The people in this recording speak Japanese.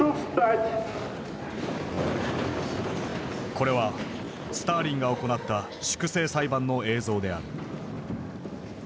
これはスターリンが行った粛清裁判の映像である。